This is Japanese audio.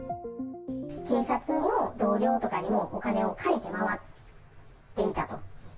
警察の同僚とかにもお金を借りて回っていたと。